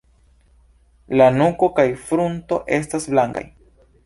La nuko kaj frunto estas blankaj.